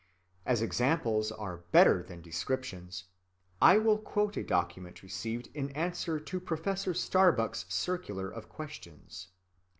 As examples are better than descriptions, I will quote a document received in answer to Professor Starbuck's circular of questions.